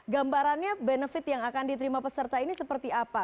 gambarannya benefit yang akan diterima peserta ini seperti apa